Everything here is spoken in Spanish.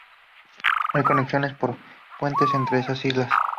Hay conexiones por puentes entre esas islas.